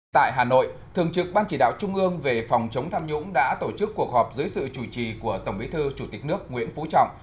tại hà nội thường trực ban chỉ đạo trung ương về phòng chống tham nhũng đã tổ chức cuộc họp dưới sự chủ trì của tổng bí thư chủ tịch nước nguyễn phú trọng